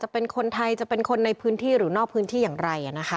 เป็นคนไทยจะเป็นคนในพื้นที่หรือนอกพื้นที่อย่างไร